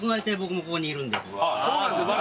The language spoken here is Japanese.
そうなんですか？